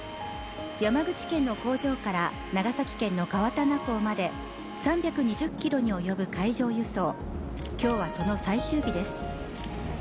山口県の工場から長崎県の川棚港まで３２０ｋｍに及ぶ海上輸送、今日はその最終日です。